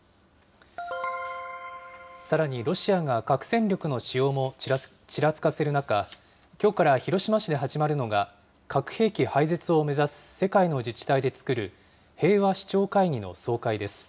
さらにロシアが核戦力の使用もちらつかせる中、きょうから広島市で始まるのが、核兵器廃絶を目指す世界の自治体で作る、平和首長会議の総会です。